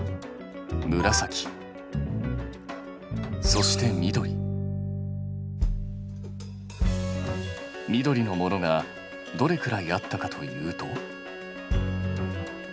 そして緑のものがどれくらいあったかというと？